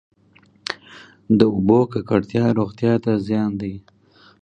د اوبو ککړتیا روغتیا ته زیان دی.